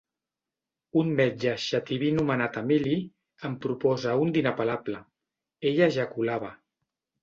Un metge xativí anomenat Emili en proposa un d'inapel·lable: “ella ejaculava”.